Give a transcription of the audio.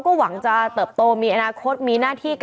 ก็เป็นสถานที่ตั้งมาเพลงกุศลศพให้กับน้องหยอดนะคะ